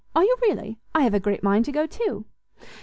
are you really? I have a great mind to go too!"